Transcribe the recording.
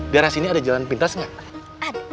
daerah sini ada jalan pintas nggak